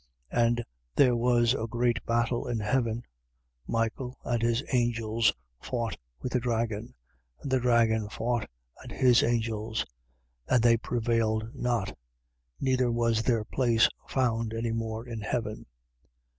12:7. And there was a great battle in heaven: Michael and his angels fought with the dragon, and the dragon fought, and his angels. 12:8. And they prevailed not: neither was their place found any more in heaven.